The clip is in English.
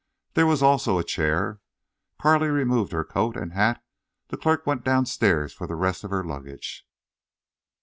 There was also a chair. While Carley removed her coat and hat the clerk went downstairs for the rest of her luggage.